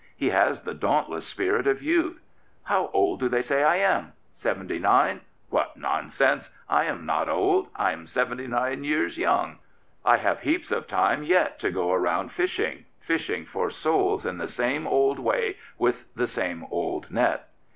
He has the dauntless spirit of youth. " How old do they say I am? Seventy nine? What nonsense! I am not old. I am seventy nine years young. I have heaps of time yet to go around fishing — fishing for 193 Prophets, Priests, and Kings souls in the same old way with the same old net."